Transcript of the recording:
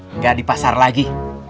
enggak dipasar lagi